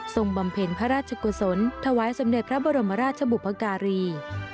บำเพ็ญพระราชกุศลถวายสมเด็จพระบรมราชบุพการี